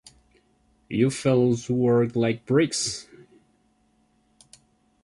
You fellows worked like bricks.